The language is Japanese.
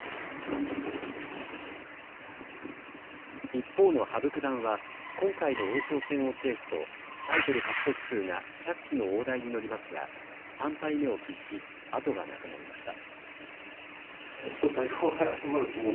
一方の羽生九段は今回の王将戦を制すとタイトル獲得数が１００期の大台に乗りますが３敗目を喫し後がなくなりました。